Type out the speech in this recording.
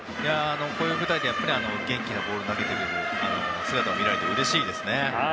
こういう舞台で元気なボールを投げている姿を見られてうれしいですね。